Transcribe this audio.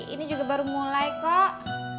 ini juga baru mulai kok